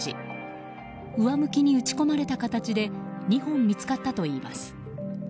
上向きに打ち込まれた形で２本見つかったといいます。